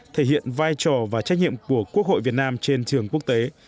thể hiện vai trò và trách nhiệm của quốc hội việt nam trên trường quốc tế